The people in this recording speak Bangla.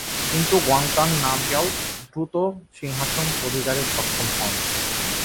কিন্তু ঙ্গাগ-দ্বাং-র্নাম-র্গ্যাল দ্রুত সিংহাসন অধিকারে সক্ষম হন।